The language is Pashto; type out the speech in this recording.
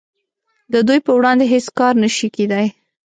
د دوی په وړاندې هیڅ کار نشي کیدای